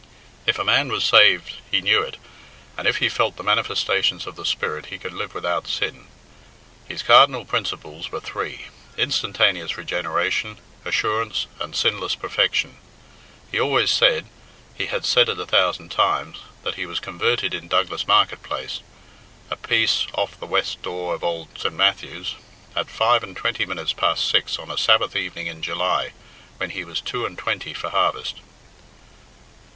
If a man was saved he knew it, and if he felt the manifestations of the Spirit he could live without sin. His cardinal principles were three instantaneous regeneration, assurance, and sinless perfection. He always said he had said it a thousand times that he was converted in Douglas marketplace, a piece off the west door of ould St. Matthew's, at five and twenty minutes past six on a Sabbath evening in July, when he was two and twenty for harvest.